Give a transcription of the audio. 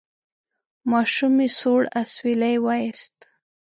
ماشومې سوړ اسویلی وایست: